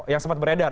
yang sempat beredar